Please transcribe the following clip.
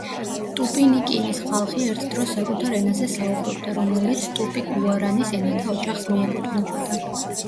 ტუპინიკინის ხალხი ერთ დროს საკუთარ ენაზე საუბრობდა, რომელიც ტუპი-გუარანის ენათა ოჯახს მიეკუთვნებოდა.